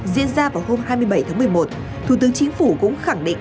diễn ra vào hôm hai mươi bảy tháng một mươi một thủ tướng chính phủ cũng khẳng định